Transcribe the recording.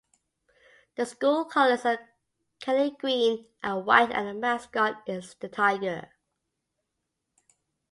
The school colors are kelly green and white, and the mascot is the tiger.